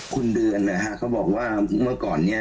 คุณเดือนนะฮะเขาบอกว่าเมื่อก่อนเนี่ย